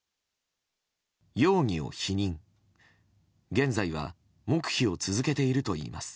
現在は黙秘を続けているといいます。